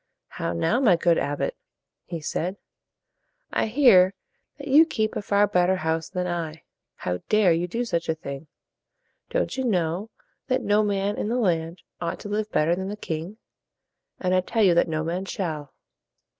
"How now, my good abbot?" he said. "I hear that you keep a far better house than I. How dare you do such a thing? Don't you know that no man in the land ought to live better than the king? And I tell you that no man shall."